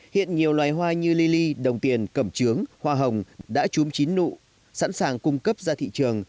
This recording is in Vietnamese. hiện nhiều loài hoa như lili đồng tiền cẩm trướng hoa hồng đã chốm chín nụ sẵn sàng cung cấp ra thị trường